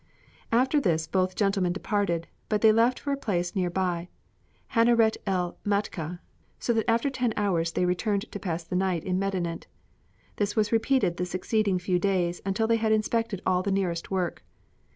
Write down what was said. After this both gentlemen departed, but they left for a place near by, Hanaret el Matka, so that after ten hours they returned to pass the night in Medinet. This was repeated the succeeding few days until they had inspected all the nearest work.